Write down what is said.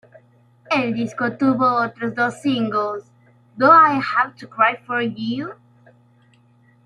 El disco tuvo otros dos singles, ""Do I Have to Cry for You?